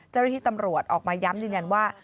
เจ้าหน้าที่ตำรวจออกมาย้ำยืนยันว่า